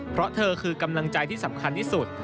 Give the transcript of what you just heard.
เพราะเธอคือกำลังใจที่สำคัญที่สุด